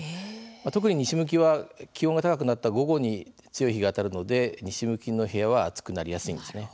特に西向きは、気温が高くなった午後に強い日が当たるので西向きの部屋は暑くなりやすいんですね。